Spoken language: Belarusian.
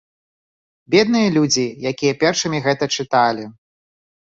Бедныя людзі, якія першымі гэта чыталі!